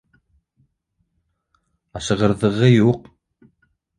Ашығырҙығы юҡ.